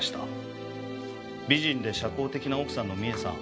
美人で社交的な奥さんの美恵さん